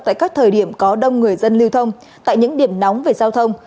tại các thời điểm có đông người dân lưu thông tại những điểm nóng về giao thông